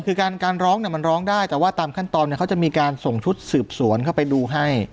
คือการร้องมันร้องได้แต่ว่าตามขั้นตอนเขาจะมีการส่งชุดสืบสวนเข้าไปดูให้